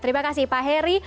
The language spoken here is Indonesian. terima kasih pak heri